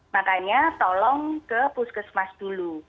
makanya tolong ke puskesmas dulu